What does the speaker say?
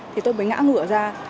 thì tôi mới ngã ngựa ra